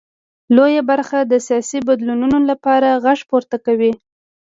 لویه برخه د سیاسي بدلونونو لپاره غږ پورته کوي.